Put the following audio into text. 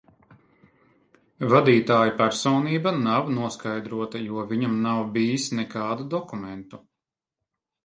Vadītāja personība nav noskaidrota, jo viņam nav bijis nekādu dokumentu.